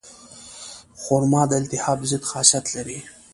خرما د التهاب ضد خاصیت لري.